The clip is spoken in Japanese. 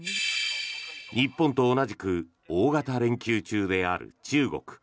日本と同じく大型連休中である中国。